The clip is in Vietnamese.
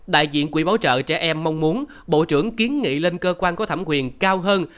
đại diện quỹ bảo trợ trẻ em mong muốn bộ trưởng kiến nghị lên cơ quan có thẩm quyền cao hơn